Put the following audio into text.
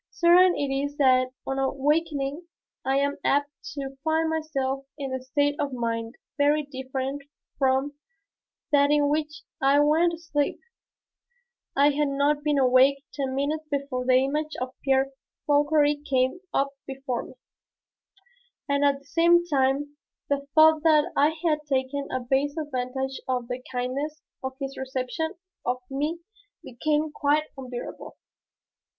Certain it is that on awakening I am apt to find myself in a state of mind very different from that in which I went to sleep. I had not been awake ten minutes before the image of Pierre Fauchery came up before me, and at the same time the thought that I had taken a base advantage of the kindness of his reception of me became quite unbearable.